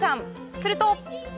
すると。